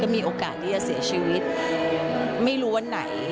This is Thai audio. มีโอกาสที่จะเสียชีวิตไม่รู้วันไหน